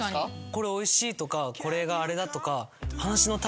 これおいしいとかこれがあれだとか。